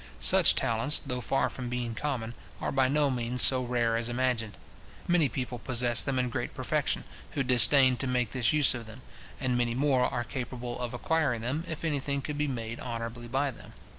Such talents, though far from being common, are by no means so rare as imagined. Many people possess them in great perfection, who disdain to make this use of them; and many more are capable of acquiring them, if any thing could be made honourably by them.